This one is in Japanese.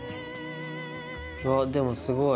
わぁでもすごい。